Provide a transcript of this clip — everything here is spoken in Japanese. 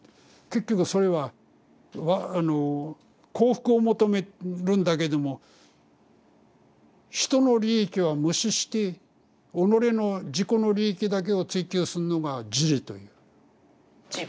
結局それは幸福を求めるんだけども人の利益は無視して己の自己の利益だけを追求すんのが「自利」と言う。